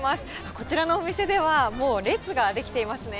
こちらのお店ではもう列が出来ていますね。